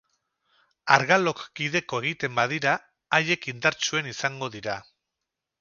Argalok kideko egiten badira, haiek indartsuen izango dira.